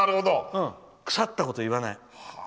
腐ったことを言わない。